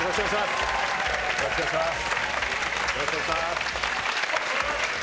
よろしくお願いします。